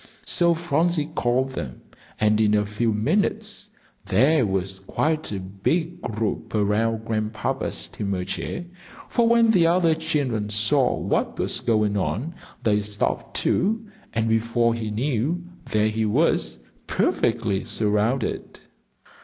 So Phronsie called them, and in a few minutes there was quite a big group around Grandpapa's steamer chair; for when the other children saw what was going on, they stopped, too, and before he knew, there he was perfectly surrounded.